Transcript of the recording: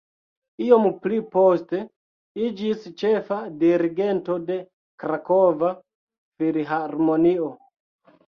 Iom pli poste iĝis ĉefa dirigento de Krakova Filharmonio.